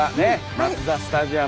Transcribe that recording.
マツダスタジアム。